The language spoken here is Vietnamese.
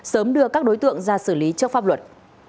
sớm đưa các đối tượng ra xử lý trước pháp luật